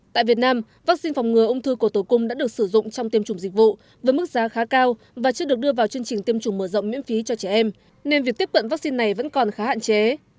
tại việt nam vaccine phòng ngừa ung thư cổ tử cung đã được sử dụng trong tiêm chủng dịch vụ với mức giá khá cao và chưa được đưa vào chương trình tiêm chủng mở rộng miễn phí cho trẻ em nên việc tiếp cận vaccine này vẫn còn khá hạn chế